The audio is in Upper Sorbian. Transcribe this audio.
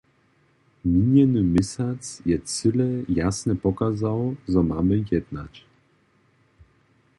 Minjeny měsac je cyle jasnje pokazał, zo mamy jednać.